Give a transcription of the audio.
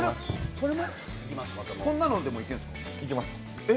こんなのでもいけるんすか？